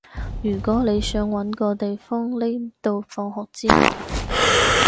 如果你想搵個地方匿到放學之後